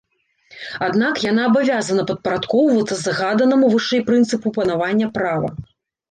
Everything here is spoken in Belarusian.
Аднак яна абавязана падпарадкоўвацца згаданаму вышэй прынцыпу панавання права.